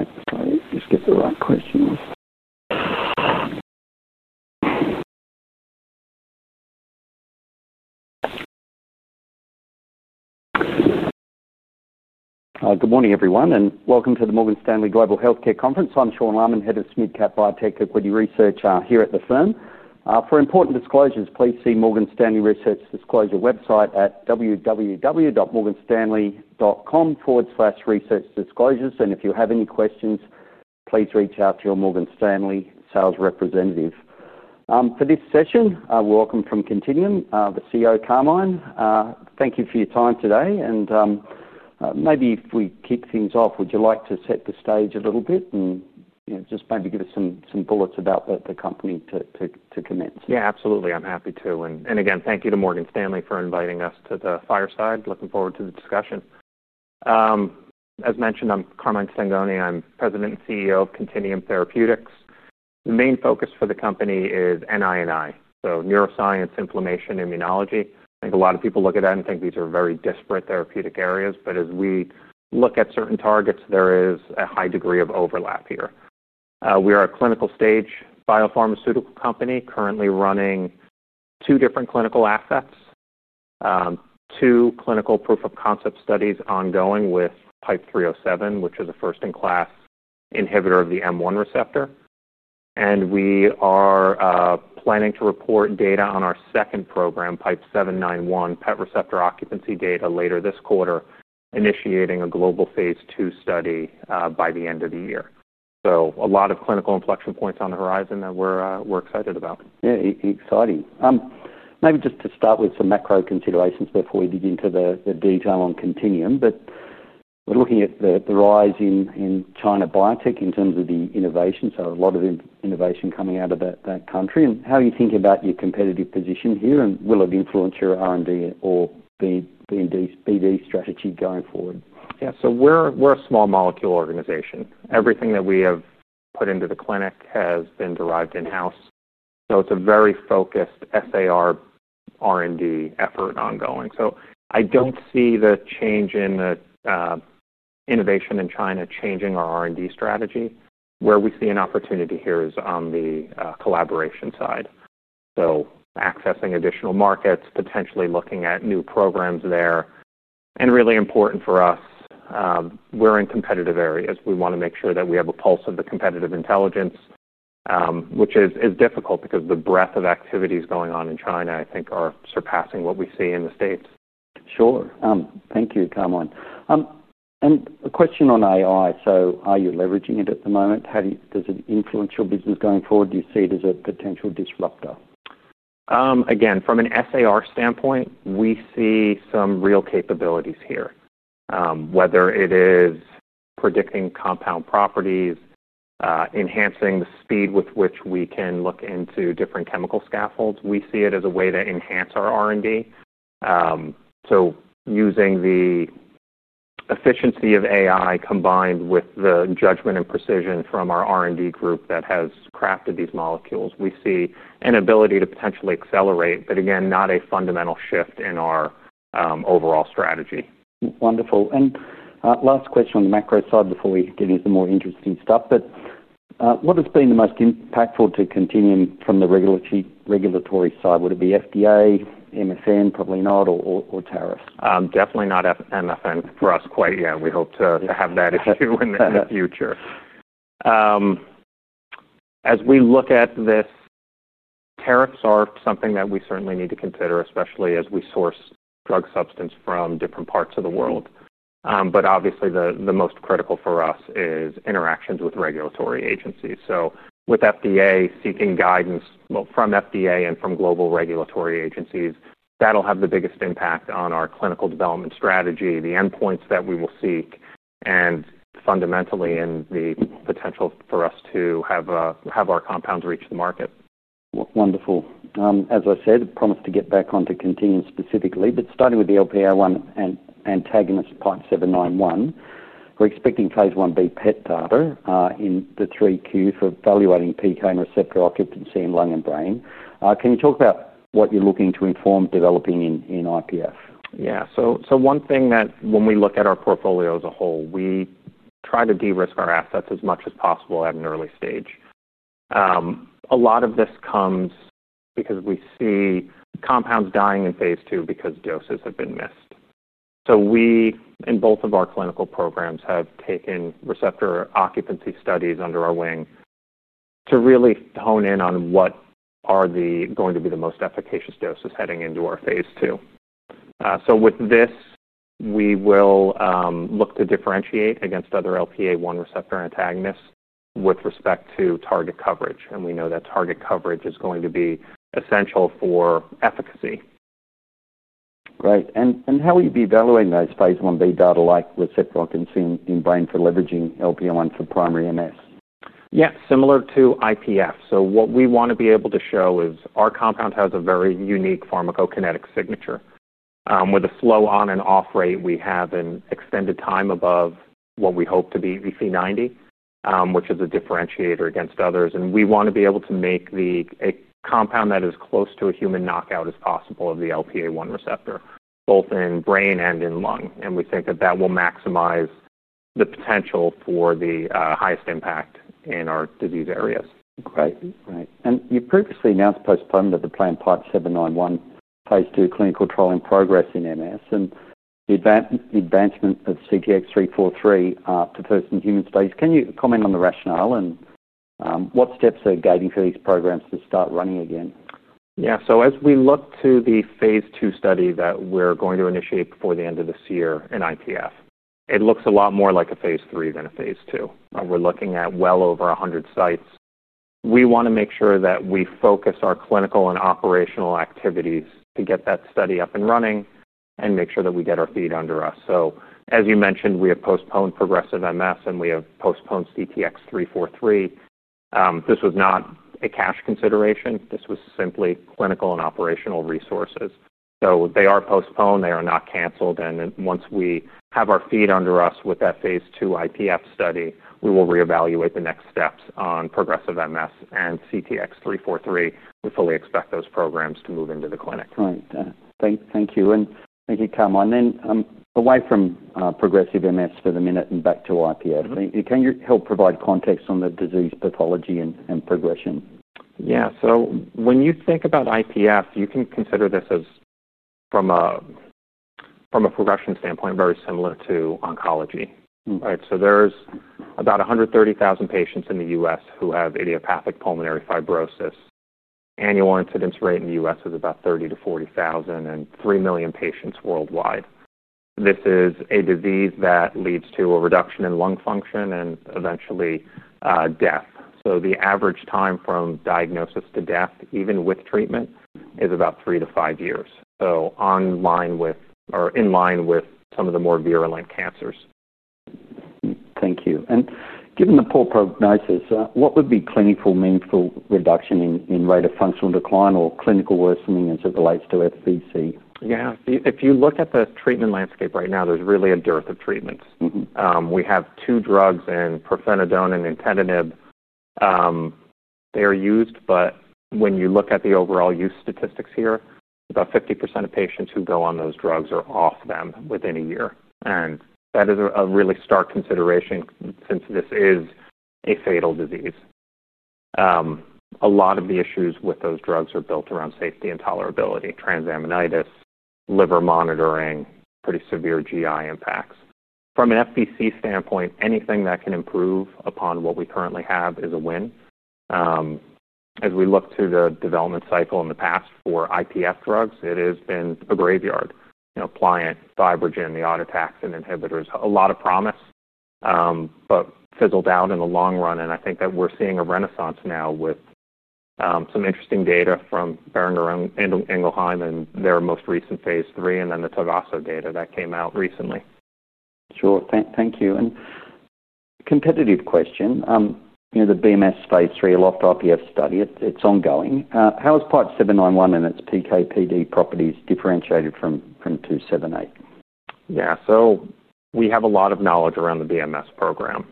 All right, let's get to the live questions. Good morning, everyone, and welcome to the Morgan Stanley Global Healthcare Conference. I'm Sean Lammon, Head of SMID-cap Biotech Equity Research here at the firm. For important disclosures, please see Morgan Stanley Research's disclosure website at www.morganstanley.com/researchdisclosures. If you have any questions, please reach out to your Morgan Stanley sales representative. For this session, we welcome from Contineum Therapeutics the CEO, Carmine Stengone. Thank you for your time today. Maybe if we kick things off, would you like to set the stage a little bit and just maybe give us some bullets about the company to commence? Yeah, absolutely. I'm happy to. Again, thank you to Morgan Stanley for inviting us to the fireside. Looking forward to the discussion. As mentioned, I'm Carmine Stengone. I'm President and CEO of Contineum Therapeutics. The main focus for the company is NINI, so Neuroscience, Inflammation, Immunology. I think a lot of people look at that and think these are very disparate therapeutic areas, but as we look at certain targets, there is a high degree of overlap here. We are a clinical-stage biopharmaceutical company, currently running two different clinical assets, two clinical proof of concept studies ongoing with PIPE-307, which is a first-in-class inhibitor of the M1 receptor. We are planning to report data on our second program, PIPE-791, PET receptor occupancy data later this quarter, initiating a global phase 2 study by the end of the year. A lot of clinical inflection points on the horizon that we're excited about. Yeah, exciting. Maybe just to start with some macro considerations before we dig into the detail on Contineum Therapeutics, we're looking at the rise in China biotech in terms of the innovation. A lot of innovation coming out of that country. How are you thinking about your competitive position here? Will it influence your R&D or BD strategy going forward? Yeah, so we're a small molecule organization. Everything that we have put into the clinic has been derived in-house. It's a very focused SAR R&D effort ongoing. I don't see the change in the innovation in China changing our R&D strategy. Where we see an opportunity here is on the collaboration side, accessing additional markets, potentially looking at new programs there. Really important for us, we're in competitive areas. We want to make sure that we have a pulse of the competitive intelligence, which is difficult because the breadth of activities going on in China, I think, are surpassing what we see in the U.S. Thank you, Carmine. A question on AI. Are you leveraging it at the moment? Does it influence your business going forward? Do you see it as a potential disruptor? Again, from an SAR standpoint, we see some real capabilities here, whether it is predicting compound properties or enhancing the speed with which we can look into different chemical scaffolds. We see it as a way to enhance our R&D. Using the efficiency of AI combined with the judgment and precision from our R&D group that has crafted these molecules, we see an ability to potentially accelerate, but again, not a fundamental shift in our overall strategy. Wonderful. Last question on the macro side before we get into the more interesting stuff. What has been the most impactful to Contineum from the regulatory side? Would it be FDA, MSN, probably not, or tariffs? Definitely not MS for us quite yet. We hope to have that issue in the future. As we look at this, tariffs are something that we certainly need to consider, especially as we source drug substance from different parts of the world. Obviously, the most critical for us is interactions with regulatory agencies. With FDA, seeking guidance from FDA and from global regulatory agencies, that'll have the biggest impact on our clinical development strategy, the endpoints that we will seek, and fundamentally in the potential for us to have our compounds reach the market. Wonderful. As I said, prompt to get back onto Contineum specifically, but starting with the LPA-1 antagonist PIPE-791. We're expecting phase 1B PET data in the 3Q for evaluating PK and receptor occupancy in lung and brain. Can you talk about what you're looking to inform developing in IPF? Yeah, so one thing that when we look at our portfolio as a whole, we try to de-risk our assets as much as possible at an early stage. A lot of this comes because we see compounds dying in phase 2 because doses have been missed. In both of our clinical programs, we have taken receptor occupancy studies under our wing to really hone in on what are going to be the most efficacious doses heading into our phase 2. With this, we will look to differentiate against other LPA-1 receptor antagonists with respect to target coverage. We know that target coverage is going to be essential for efficacy. Great. How will you be evaluating those phase 1B data, like receptor occupancy in brain, for leveraging LPA-1 for primary MS? Yeah, similar to IPF. What we want to be able to show is our compound has a very unique pharmacokinetic signature. With a slow on and off rate, we have an extended time above what we hope to be EC90, which is a differentiator against others. We want to be able to make a compound that is as close to a human knockout as possible of the LPA-1 receptor, both in brain and in lung. We think that will maximize the potential for the highest impact in our disease areas. Great. Right. You previously announced postponement of the planned PIPE-791 phase 2 clinical trial in progressive MS and the advancement of CTX-343 to first-in-human space. Can you comment on the rationale and what steps are awaiting for these programs to start running again? Yeah, as we look to the phase 2 study that we're going to initiate before the end of this year in IPF, it looks a lot more like a phase 3 than a phase 2. We're looking at well over 100 sites. We want to make sure that we focus our clinical and operational activities to get that study up and running and make sure that we get our feet under us. As you mentioned, we have postponed progressive MS and we have postponed CTX-343. This was not a cash consideration. This was simply clinical and operational resources. They are postponed, not canceled. Once we have our feet under us with that phase 2 IPF study, we will reevaluate the next steps on progressive MS and CTX-343. We fully expect those programs to move into the clinic. Thank you. Thank you, Carmine. Away from progressive MS for the minute and back to IPF. Can you help provide context on the disease pathology and progression? Yeah, so when you think about IPF, you can consider this as, from a progression standpoint, very similar to oncology. Right. There's about 130,000 patients in the U.S. who have idiopathic pulmonary fibrosis. Annual incidence rate in the U.S. is about 30,000 to 40,000 and 3 million patients worldwide. This is a disease that leads to a reduction in lung function and eventually death. The average time from diagnosis to death, even with treatment, is about three to five years, in line with some of the more virulent cancers. Thank you. Given the poor prognosis, what would be clinically meaningful reduction in rate of functional decline or clinical worsening as it relates to FVC? Yeah, if you look at the treatment landscape right now, there's really a dearth of treatments. We have two drugs in pirfenidone and nintedanib. They are used, but when you look at the overall use statistics here, about 50% of patients who go on those drugs are off them within a year. That is a really stark consideration since this is a fatal disease. A lot of the issues with those drugs are built around safety and tolerability, transaminitis, liver monitoring, pretty severe GI impacts. From an FVC standpoint, anything that can improve upon what we currently have is a win. As we look to the development cycle in the past for IPF drugs, it has been a graveyard. Pliant, FibroGen, the autotaxin inhibitors, a lot of promise, but fizzled out in the long run. I think that we're seeing a renaissance now with some interesting data from Boehringer Ingelheim and their most recent phase 3, and then the Takeda data that came out recently. Sure. Thank you. A competitive question. You know the BMS phase 3 locked up, you have studied it. It's ongoing. How is PIPE-791 and its PKPD properties differentiated from 278? Yeah, so we have a lot of knowledge around the BMS program.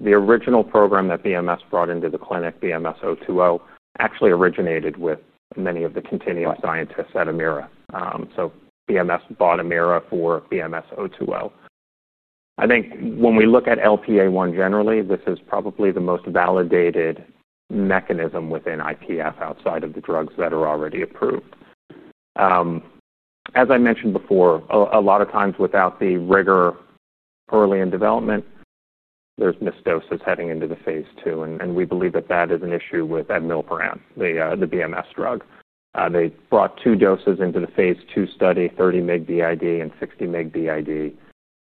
The original program that BMS brought into the clinic, BMS-020, actually originated with many of the Contineum scientists at Amira. BMS bought Amira for BMS-020. I think when we look at LPA-1 generally, this is probably the most validated mechanism within IPF outside of the drugs that are already approved. As I mentioned before, a lot of times without the rigor early in development, there's missed doses heading into the phase 2. We believe that that is an issue with Admiral Brand, the BMS drug. They brought two doses into the phase 2 study, 30 mg b.i.d. and 60 mg b.i.d.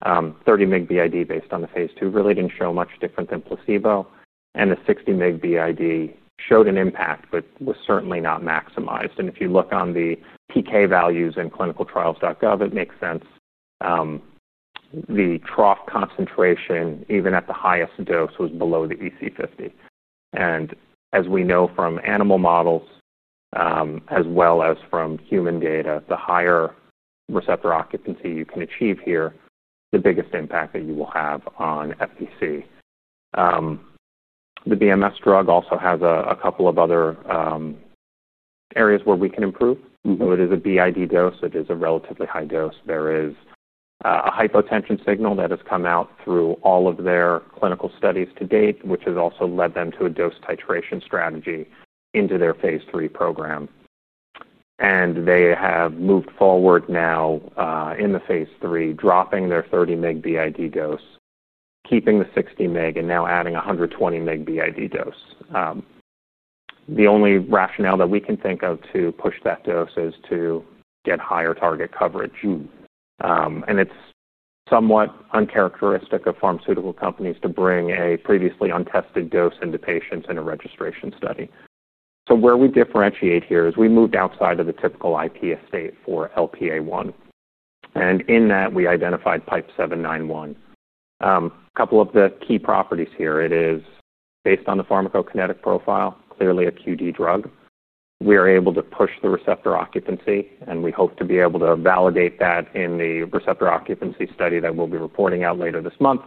30 mg b.i.d. based on the phase 2 really didn't show much different than placebo. The 60 mg b.i.d. showed an impact, but was certainly not maximized. If you look on the PK values in clinicaltrials.gov, it makes sense. The trough concentration, even at the highest dose, was below the EC50. As we know from animal models, as well as from human data, the higher receptor occupancy you can achieve here, the biggest impact that you will have on FVC. The BMS drug also has a couple of other areas where we can improve. It is a b.i.d. dose. It is a relatively high dose. There is a hypotension signal that has come out through all of their clinical studies to date, which has also led them to a dose titration strategy into their phase 3 program. They have moved forward now in the phase 3, dropping their 30 mg b.i.d. dose, keeping the 60 mg, and now adding a 120 mg b.i.d. dose. The only rationale that we can think of to push that dose is to get higher target coverage. It's somewhat uncharacteristic of pharmaceutical companies to bring a previously untested dose into patients in a registration study. Where we differentiate here is we moved outside of the typical IP estate for LPA-1. In that, we identified PIPE-791. A couple of the key properties here, it is based on the pharmacokinetic profile, clearly a QD drug. We are able to push the receptor occupancy, and we hope to be able to validate that in the receptor occupancy study that we'll be reporting out later this month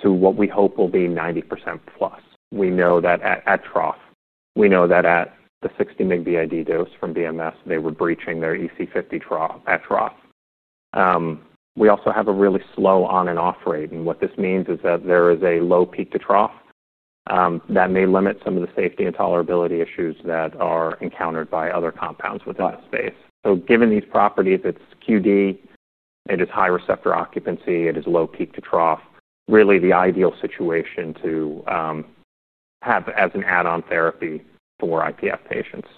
to what we hope will be 90% plus. We know that at trough, we know that at the 60 mg b.i.d. dose from BMS, they were breaching their EC50 at trough. We also have a really slow on and off rate. What this means is that there is a low peak to trough that may limit some of the safety and tolerability issues that are encountered by other compounds within that space. Given these properties, it's QD. It is high receptor occupancy. It is low peak to trough. Really, the ideal situation to have as an add-on therapy for IPF patients.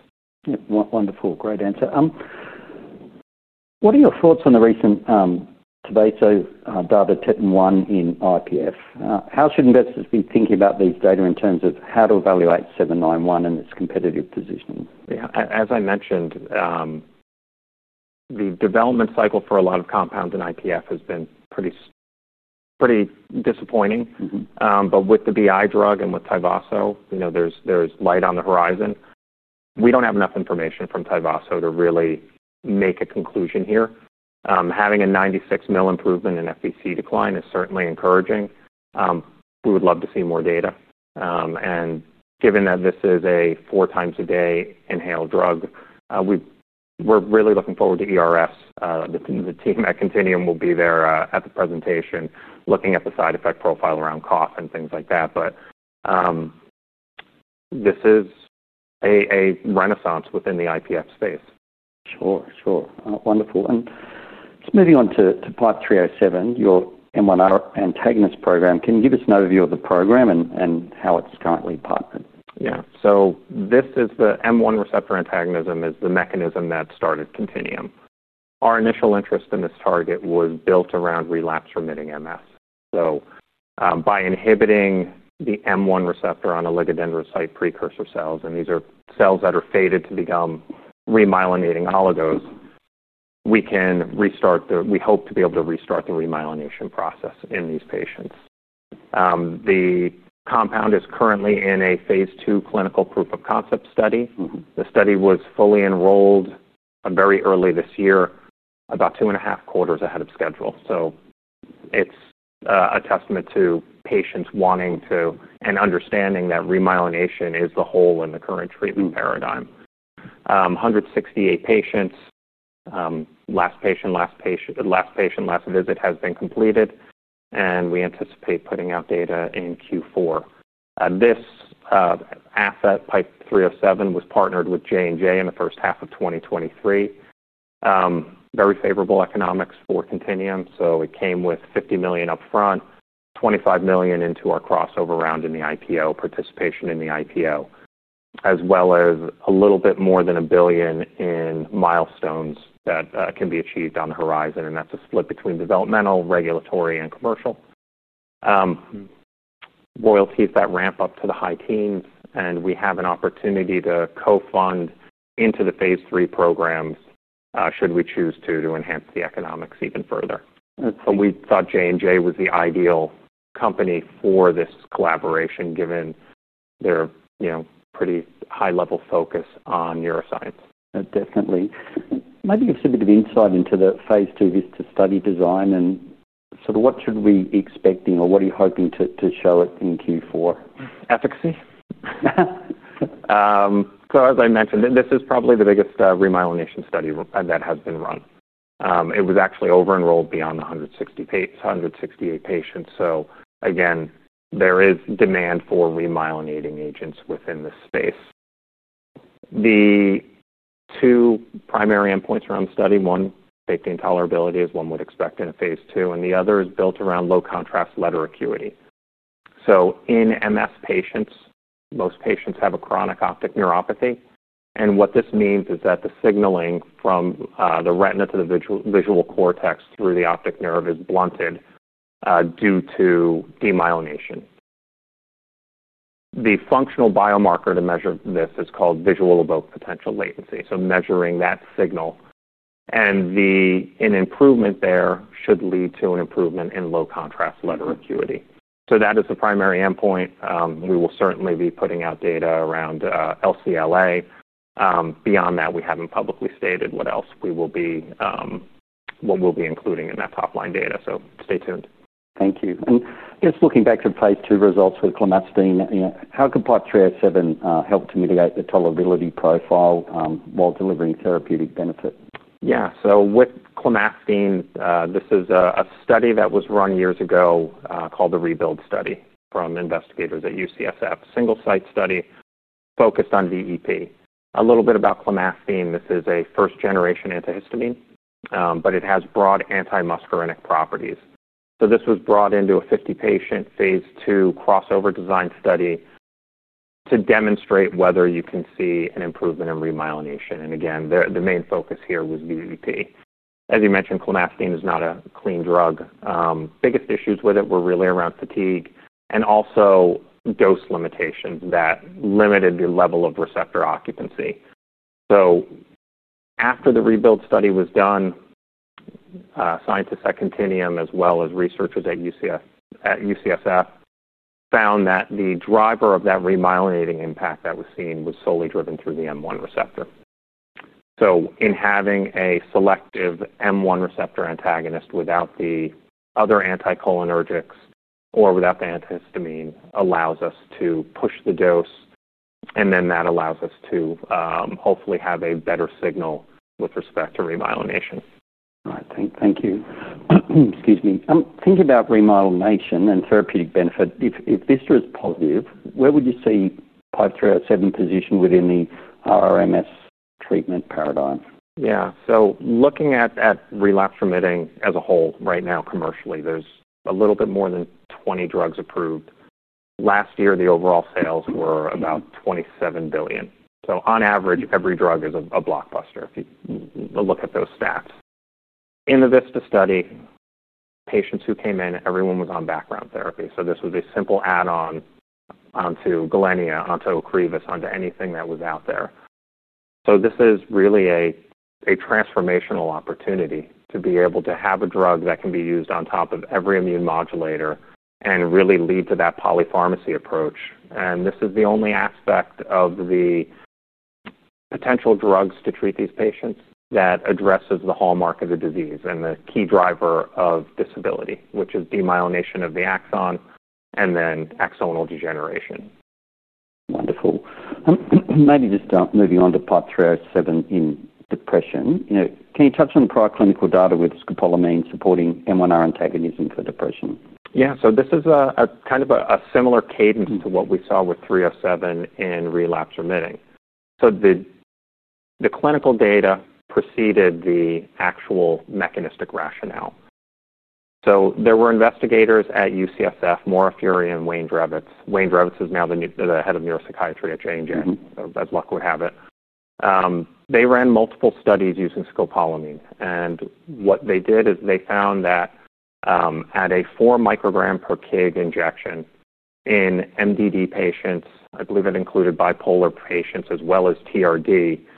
Yeah, wonderful. Great answer. What are your thoughts on the recent Tobato data TIT1 in IPF? How should investors be thinking about these data in terms of how to evaluate PIPE-791 and its competitive positioning? Yeah, as I mentioned, the development cycle for a lot of compounds in IPF has been pretty disappointing. With the BI drug and with Tybosso, there's light on the horizon. We don't have enough information from Tybosso to really make a conclusion here. Having a 96 mL improvement in FVC decline is certainly encouraging. We would love to see more data. Given that this is a four times a day inhaled drug, we're really looking forward to ERFs. The team at Contineum will be there at the presentation, looking at the side effect profile around cough and things like that. This is a renaissance within the IPF space. Sure. Wonderful. Just moving on to PIPE-307, your M1 receptor antagonist program, can you give us an overview of the program and how it's currently partnered? Yeah, so this is the M1 receptor antagonism is the mechanism that started Contineum. Our initial interest in this target was built around relapse-remitting MS. By inhibiting the M1 receptor on oligodendrocyte precursor cells, and these are cells that are fated to become remyelinating oligos, we can restart the, we hope to be able to restart the remyelination process in these patients. The compound is currently in a phase 2 clinical proof of concept study. The study was fully enrolled very early this year, about two and a half quarters ahead of schedule. It is a testament to patients wanting to and understanding that remyelination is the hole in the current treatment paradigm. 168 patients, last patient, last visit has been completed. We anticipate putting out data in Q4. This asset, PIPE-307, was partnered with Johnson & Johnson in the first half of 2023. Very favorable economics for Contineum. It came with $50 million upfront, $25 million into our crossover round in the IPO, participation in the IPO, as well as a little bit more than $1 billion in milestones that can be achieved on the horizon. That is a split between developmental, regulatory, and commercial. Royalty at that ramp up to the high teens. We have an opportunity to co-fund into the phase 3 programs should we choose to, to enhance the economics even further. We thought Johnson & Johnson was the ideal company for this collaboration given their, you know, pretty high-level focus on neuroscience. Definitely. Maybe you can give us a bit of insight into the phase 2 study design and sort of what should we be expecting or what are you hoping to show in Q4? Efficacy. As I mentioned, this is probably the biggest remyelination study that has been run. It was actually over-enrolled beyond the 168 patients. There is demand for remyelinating agents within this space. The two primary endpoints around the study are safety and tolerability, as one would expect in a phase 2, and the other is built around low contrast letter acuity. In MS patients, most patients have a chronic optic neuropathy. What this means is that the signaling from the retina to the visual cortex through the optic nerve is blunted due to demyelination. The functional biomarker to measure this is called visual evoked potential latency. Measuring that signal and an improvement there should lead to an improvement in low contrast letter acuity. That is the primary endpoint. We will certainly be putting out data around LCLA. Beyond that, we haven't publicly stated what else we will be including in that top line data. Stay tuned. Thank you. Just looking back to the phase 2 results with nintedanib, how could PIPE-307 help to mitigate the tolerability profile while delivering therapeutic benefit? Yeah, so with Clonastine, this is a study that was run years ago called the REBUILD study from investigators at UCSF. Single site study focused on VEP. A little bit about Clonastine. This is a first-generation antihistamine, but it has broad anti-muscarinic properties. This was brought into a 50-patient phase 2 crossover design study to demonstrate whether you can see an improvement in remyelination. The main focus here was VEP. As you mentioned, Clonastine is not a clean drug. Biggest issues with it were really around fatigue and also dose limitations that limited the level of receptor occupancy. After the REBUILD study was done, scientists at Contineum Therapeutics, as well as researchers at UCSF, found that the driver of that remyelinating impact that was seen was solely driven through the M1 receptor. In having a selective M1 receptor antagonist without the other anticholinergics or without the antihistamine allows us to push the dose, and then that allows us to hopefully have a better signal with respect to remyelination. All right. Thank you. Excuse me. Thinking about remyelination and therapeutic benefit, if this was positive, where would you see PIPE-307 positioned within the RMS treatment paradigm? Yeah, so looking at relapsing-remitting as a whole right now commercially, there's a little bit more than 20 drugs approved. Last year, the overall sales were about $27 billion. On average, every drug is a blockbuster if you look at those stats. In the VISTA study, patients who came in, everyone was on background therapy. This was a simple add-on onto Gilenya, onto Ocrevus, onto anything that was out there. This is really a transformational opportunity to be able to have a drug that can be used on top of every immune modulator and really lead to that polypharmacy approach. This is the only aspect of the potential drugs to treat these patients that addresses the hallmark of the disease and the key driver of disability, which is demyelination of the axon and then axonal degeneration. Wonderful. Maybe just start moving on to PIPE-307 in depression. Can you touch on prior clinical data with scopolamine supporting M1 receptor antagonism for depression? Yeah, so this is a kind of a similar cadence to what we saw with 307 in relapsing-remitting. The clinical data preceded the actual mechanistic rationale. There were investigators at UCSF, Maura Furey, and Wayne Drevitz. Wayne Drevitz is now the Head of Neuropsychiatry at Johnson & Johnson, as luck would have it. They ran multiple studies using scopolamine. What they did is they found that at a 4 microgram per kg injection in major depressive disorder patients, I believe it included bipolar patients as well as treatment-resistant depression,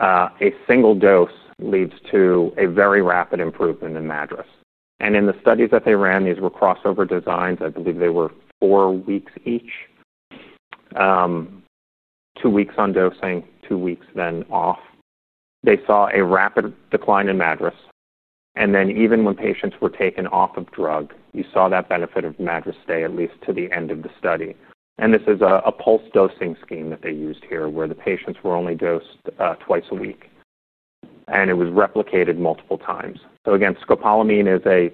a single dose leads to a very rapid improvement in the MADRS. In the studies that they ran, these were crossover designs. I believe they were four weeks each, two weeks on dosing, two weeks then off. They saw a rapid decline in MADRS. Even when patients were taken off of drug, you saw that benefit of MADRS stay at least to the end of the study. This is a pulse dosing scheme that they used here where the patients were only dosed twice a week. It was replicated multiple times. Scopolamine is a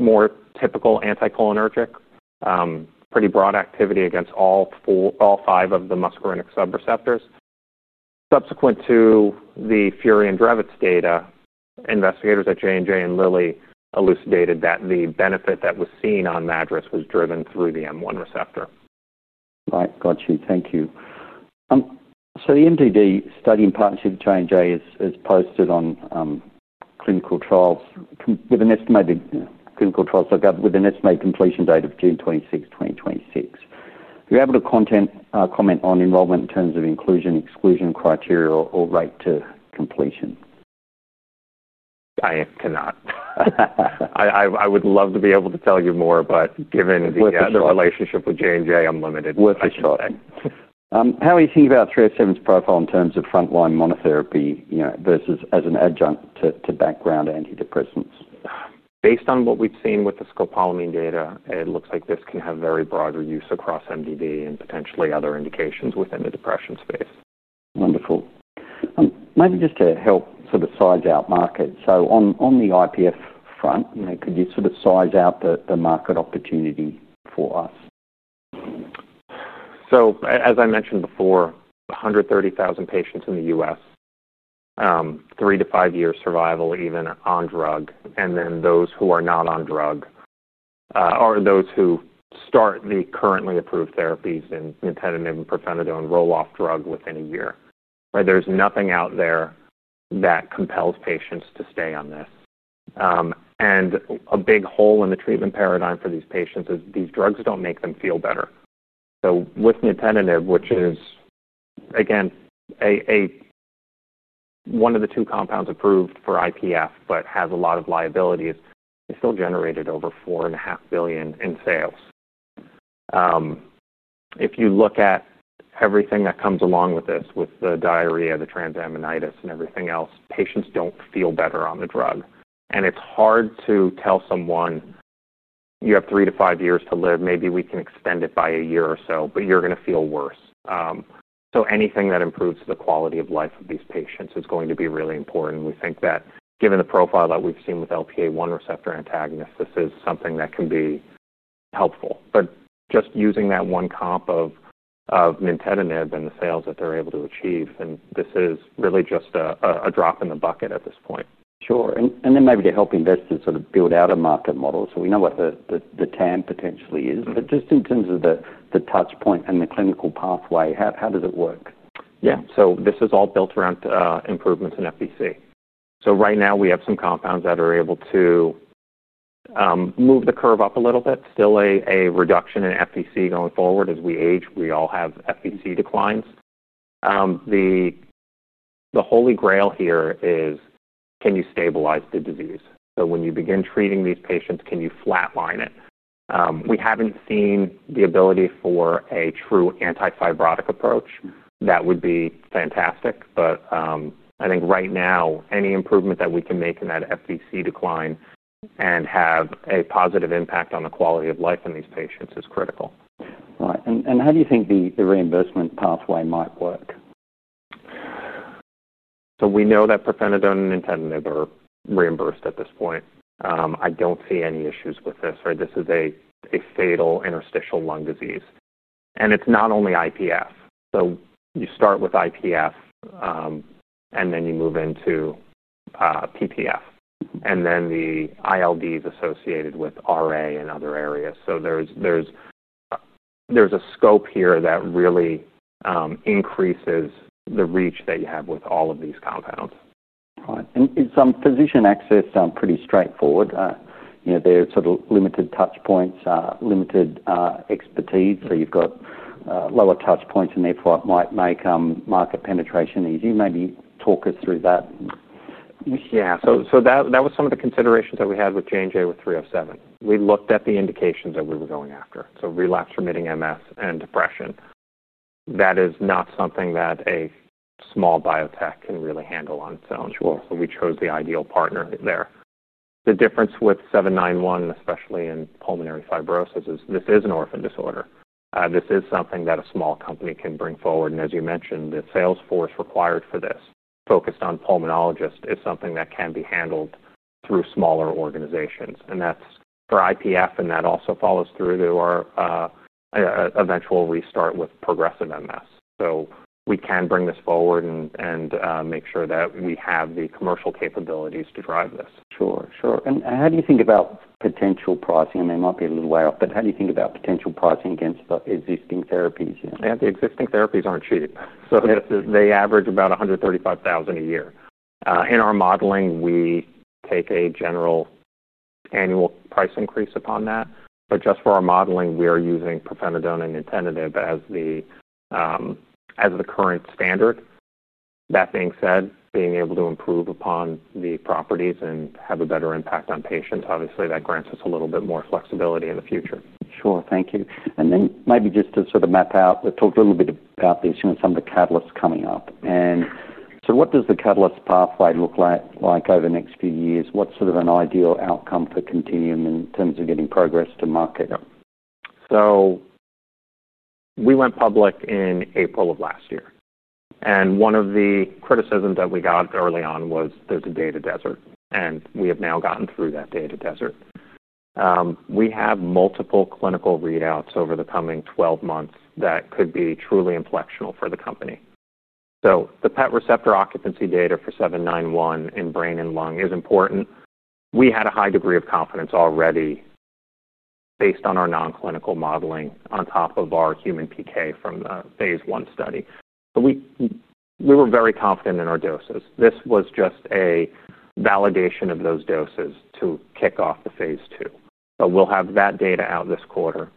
more typical anticholinergic, pretty broad activity against all five of the muscarinic subreceptors. Subsequent to the Furey and Drevitz data, investigators at Johnson & Johnson and Lilly elucidated that the benefit that was seen on MADRS was driven through the M1 receptor. Right. Got you. Thank you. The MDD study in partnership with Johnson & Johnson is posted on clinical trials, given estimated clinical trials with an estimated completion date of June 26, 2026. Are you able to comment on enrollment in terms of inclusion, exclusion criteria, or rate to completion? I would love to be able to tell you more, but given the relationship with Johnson & Johnson, I'm limited. With that, sure. How are you thinking about 307's profile in terms of frontline monotherapy versus as an adjunct to background antidepressants? Based on what we've seen with the scopolamine data, it looks like this can have very broad use across MDD and potentially other indications within the depression space. Wonderful. Maybe just to help sort of size out market, on the IPF front, you know, could you sort of size out the market opportunity for us? As I mentioned before, 130,000 patients in the U.S., three to five years survival even on drug, and then those who are not on drug or those who start the currently approved therapies in nintedanib and pirfenidone roll off drug within a year. There's nothing out there that compels patients to stay on this. A big hole in the treatment paradigm for these patients is these drugs don't make them feel better. With nintedanib, which is, again, one of the two compounds approved for IPF but has a lot of liabilities, it's still generated over $4.5 billion in sales. If you look at everything that comes along with this, with the diarrhea, the transaminitis, and everything else, patients don't feel better on the drug. It's hard to tell someone, "You have three to five years to live. Maybe we can extend it by a year or so, but you're going to feel worse." Anything that improves the quality of life of these patients is going to be really important. We think that given the profile that we've seen with LPA-1 receptor antagonists, this is something that can be helpful. Just using that one comp of nintedanib and the sales that they're able to achieve, this is really just a drop in the bucket at this point. Sure. Maybe to help investors sort of build out a market model, we know what the TAM potentially is, but just in terms of the touchpoint and the clinical pathway, how does it work? Yeah, so this is all built around improvements in FVC. Right now, we have some compounds that are able to move the curve up a little bit. Still a reduction in FVC going forward. As we age, we all have FVC declines. The holy grail here is, can you stabilize the disease? When you begin treating these patients, can you flatline it? We haven't seen the ability for a true antifibrotic approach. That would be fantastic. I think right now, any improvement that we can make in that FVC decline and have a positive impact on the quality of life in these patients is critical. Right. How do you think the reimbursement pathway might work? We know that pirfenidone and nintedanib are reimbursed at this point. I don't see any issues with this. Right. This is a fatal interstitial lung disease. It's not only IPF. You start with IPF, then you move into PPF, and then the ILDs associated with RA and other areas. There's a scope here that really increases the reach that you have with all of these compounds. Right. Some physician access sounds pretty straightforward. There's sort of limited touchpoints, limited expertise. You've got lower touchpoints, and therefore it might make market penetration easy. Maybe talk us through that. Yeah, so that was some of the considerations that we had with Johnson & Johnson with PIPE-307. We looked at the indications that we were going after. Relapse-remitting MS and depression is not something that a small biotech can really handle on its own. Sure. We chose the ideal partner there. The difference with PIPE-791, especially in pulmonary fibrosis, is this is an orphan disorder. This is something that a small company can bring forward. The sales force required for this, focused on pulmonologists, is something that can be handled through smaller organizations. That's for idiopathic pulmonary fibrosis, and that also follows through to our eventual restart with progressive multiple sclerosis. We can bring this forward and make sure that we have the commercial capabilities to drive this. Sure. How do you think about potential pricing? I mean, it might be a little way off, but how do you think about potential pricing against the existing therapies? The existing therapies aren't cheap. They average about $135,000 a year. In our modeling, we take a general annual price increase upon that. For our modeling, we are using pirfenidone and nintedanib as the current standard. That being said, being able to improve upon the properties and have a better impact on patients, obviously, that grants us a little bit more flexibility in the future. Sure. Thank you. Maybe just to sort of map out, we've talked a little bit about this, you know, some of the catalysts coming up. What does the catalyst pathway look like over the next few years? What's sort of an ideal outcome for Contineum Therapeutics in terms of getting progress to market? We went public in April of last year. One of the criticisms that we got early on was there's a data desert. We have now gotten through that data desert. We have multiple clinical readouts over the coming 12 months that could be truly inflectional for the company. The PET receptor occupancy data for PIPE-791 in brain and lung is important. We had a high degree of confidence already based on our non-clinical modeling on top of our human PK from the phase 1 study. We were very confident in our doses. This was just a validation of those doses to kick off the phase 2. We'll have that data out this quarter.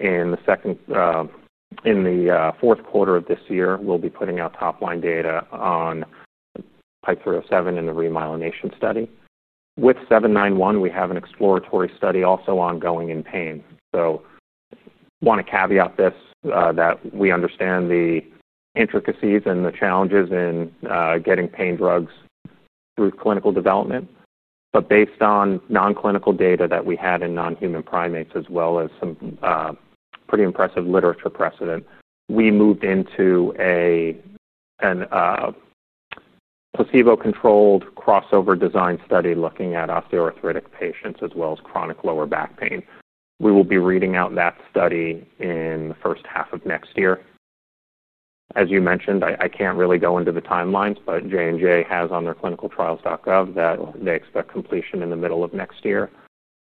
In the fourth quarter of this year, we'll be putting out top line data on PIPE-307 in the remyelination study. With PIPE-791, we have an exploratory study also ongoing in pain. I want to caveat this, that we understand the intricacies and the challenges in getting pain drugs through clinical development. Based on non-clinical data that we had in non-human primates, as well as some pretty impressive literature precedent, we moved into a placebo-controlled crossover design study looking at osteoarthritic patients, as well as chronic lower back pain. We will be reading out that study in the first half of next year. As you mentioned, I can't really go into the timelines, but Johnson & Johnson has on their clinicaltrials.gov that they expect completion in the middle of next year.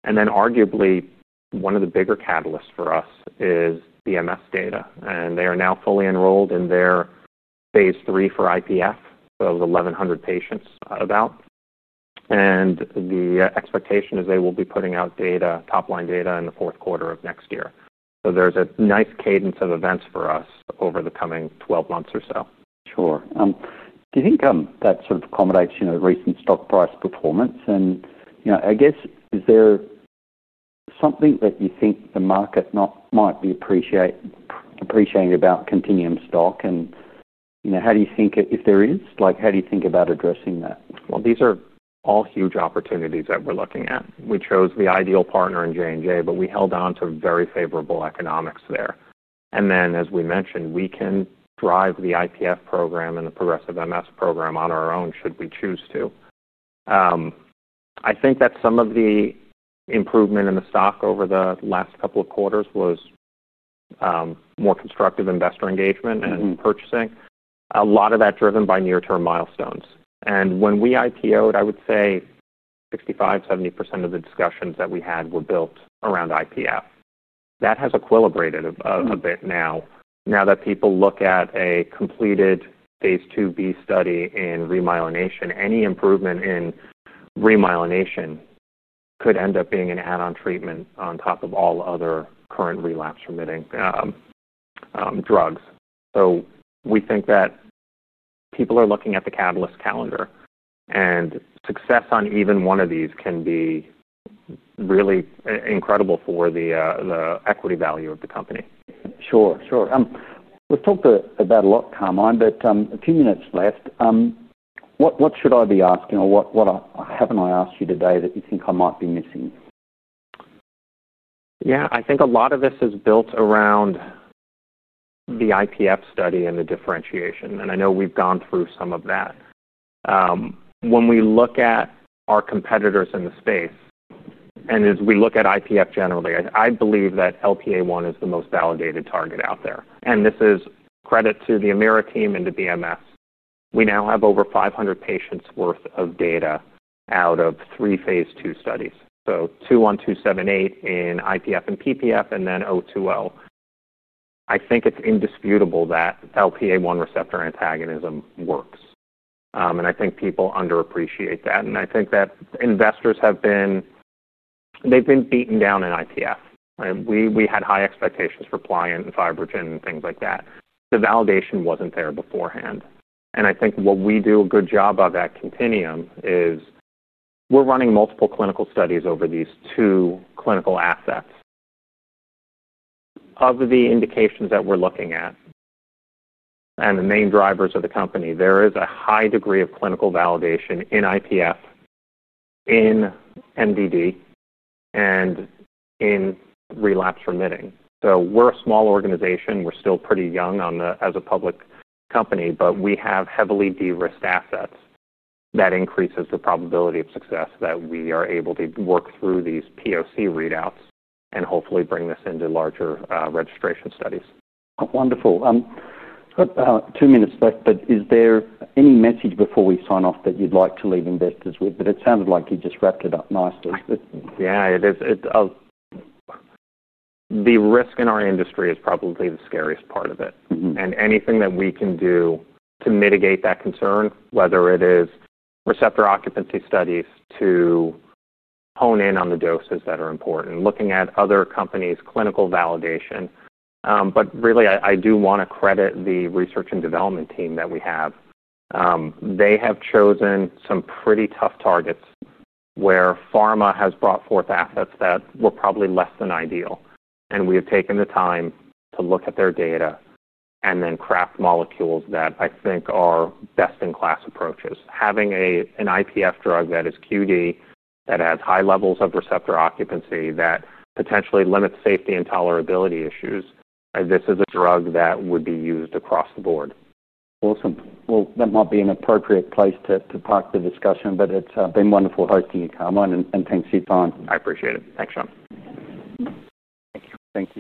Arguably, one of the bigger catalysts for us is Bristol Myers Squibb data. They are now fully enrolled in their phase 3 for idiopathic pulmonary fibrosis of about 1,100 patients. The expectation is they will be putting out top line data in the fourth quarter of next year. There's a nice cadence of events for us over the coming 12 months or so. Sure. Do you think that sort of accommodates recent stock price performance? Is there something that you think the market might be appreciating about Contineum Therapeutics stock? How do you think, if there is, how do you think about addressing that? These are all huge opportunities that we're looking at. We chose the ideal partner in J&J, but we held on to very favorable economics there. As we mentioned, we can drive the IPF program and the progressive MS program on our own should we choose to. I think that some of the improvement in the stock over the last couple of quarters was more constructive investor engagement and purchasing, a lot of that driven by near-term milestones. When we IPOed, I would say 65% to 70% of the discussions that we had were built around IPF. That has equilibrated a bit now. Now that people look at a completed phase 2B study in remyelination, any improvement in remyelination could end up being an add-on treatment on top of all other current relapse-remitting drugs. We think that people are looking at the catalyst calendar, and success on even one of these can be really incredible for the equity value of the company. Sure, sure. We've talked about a lot, Carmine, but a few minutes left. What should I be asking or what haven't I asked you today that you think I might be missing? Yeah, I think a lot of this is built around the IPF study and the differentiation. I know we've gone through some of that. When we look at our competitors in the space, and as we look at IPF generally, I believe that LPA-1 is the most validated target out there. This is credit to the Amira Pharmaceuticals team and to Bristol Myers Squibb. We now have over 500 patients' worth of data out of three phase 2 studies. Two on 278 in IPF and PPF and then 020. I think it's indisputable that LPA-1 receptor antagonism works. I think people underappreciate that. I think that investors have been, they've been beaten down in IPF. We had high expectations for PLIANT and Fibrogen and things like that. The validation wasn't there beforehand. I think what we do a good job of at Contineum Therapeutics is we're running multiple clinical studies over these two clinical assets. Of the indications that we're looking at and the main drivers of the company, there is a high degree of clinical validation in IPF, in MDD, and in relapse remitting. We're a small organization. We're still pretty young as a public company, but we have heavily de-risked assets that increase the probability of success that we are able to work through these POC readouts and hopefully bring this into larger registration studies. Wonderful. Two minutes left, but is there any message before we sign off that you'd like to leave investors with? It sounded like you just wrapped it up nicely. Yeah, the risk in our industry is probably the scariest part of it. Anything that we can do to mitigate that concern, whether it is receptor occupancy studies to hone in on the doses that are important, looking at other companies' clinical validation, is valuable. I do want to credit the research and development team that we have. They have chosen some pretty tough targets where pharma has brought forth assets that were probably less than ideal. We have taken the time to look at their data and then craft molecules that I think are best-in-class approaches. Having an IPF drug that is QD, that has high levels of receptor occupancy, that potentially limits safety and tolerability issues, this is a drug that would be used across the board. Awesome. That might be an appropriate place to park the discussion, but it's been wonderful hosting you, Carmine. Thanks for your time. I appreciate it. Thanks, Sean. Thanks.